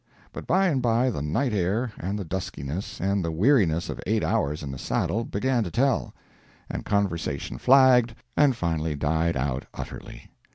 But by and by the night air, and the duskiness, and the weariness of eight hours in the saddle, began to tell, and conversation flagged and finally died out utterly.